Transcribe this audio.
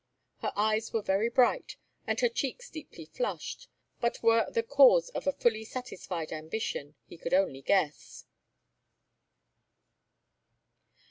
Her eyes were very bright, and her cheeks deeply flushed, but were the cause a fully satisfied ambition, he could only guess.